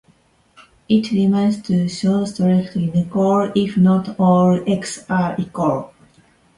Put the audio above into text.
It remains to show strict inequality if not all "x" are equal.